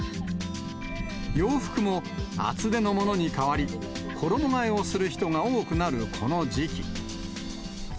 洋服も厚手のものに変わり、衣がえをする人が多くなるこの時期。